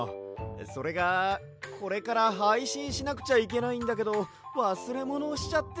それがこれからはいしんしなくちゃいけないんだけどわすれものをしちゃって。